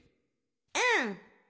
うん。